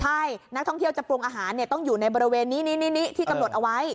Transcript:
ใช่นักท่องเที่ยวจะปรุงอาหารต้องอยู่ในบริเวณนี้ที่กำหนดเอาไว้